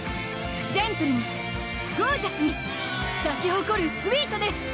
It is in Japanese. ジェントルにゴージャスに咲き誇るスウィートネス！